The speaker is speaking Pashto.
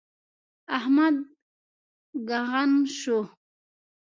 احمد ږغن شو.